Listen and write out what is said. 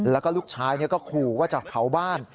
แล้วก็ลูกชายก็ขู่ว่าจะเผาบ้าน